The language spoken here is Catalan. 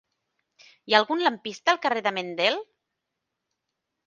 Hi ha algun lampista al carrer de Mendel?